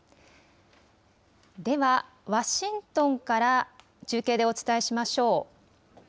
ではワシントンから中継でお伝えしましょう。